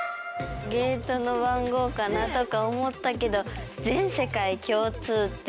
ゲートの番号かなとか思ったけど全世界共通って言われると。